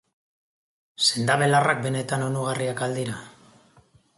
Sendabelarrak benetan onuragarriak al dira?